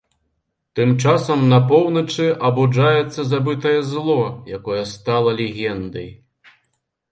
Тым часам, на поўначы, абуджаецца забытае зло, якое стала легендай.